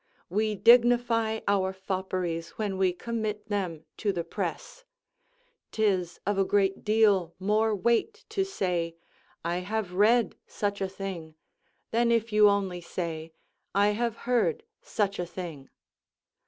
we dignify our fopperies when we commit them to the press: 'tis of a great deal more weight to say, "I have read such a thing," than if you only say, "I have heard such a thing."